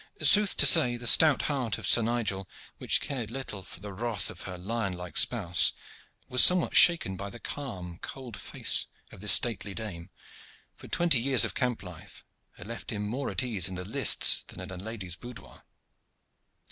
Sooth to say, the stout heart of Sir Nigel, which cared little for the wrath of her lion like spouse, was somewhat shaken by the calm, cold face of this stately dame, for twenty years of camp life had left him more at ease in the lists than in a lady's boudoir.